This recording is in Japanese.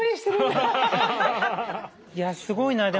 いやすごいなでも。